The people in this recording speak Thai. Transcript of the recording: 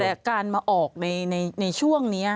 แต่การมาออกในช่วงนี้